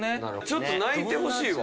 ちょっと泣いてほしいわマジで。